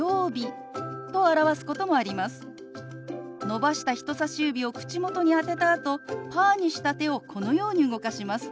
伸ばした人さし指を口元に当てたあとパーにした手をこのように動かします。